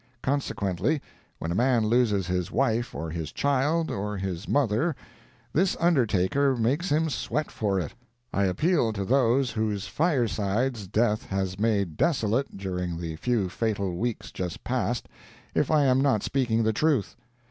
Consequently, when a man loses his wife or his child, or his mother, this undertaker makes him sweat for it. I appeal to those whose firesides death has made desolate during the few fatal weeks just past, if I am not speaking the truth.